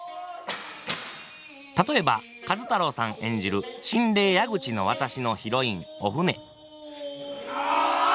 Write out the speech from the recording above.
例えば壱太郎さん演じる「神霊矢口渡」のヒロインお舟。